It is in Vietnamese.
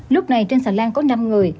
lúc này trên xà lan có năm người